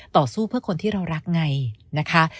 ต่อสู้เพื่อคนที่เรารักไงนะคะ